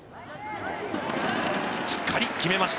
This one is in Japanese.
しっかり決めました。